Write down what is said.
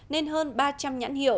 nên hơn ba trăm linh nhãn hiệu